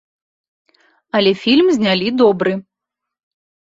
Але фільм знялі добры.